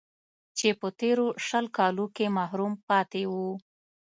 چې په تېرو شل کالو کې محروم پاتې و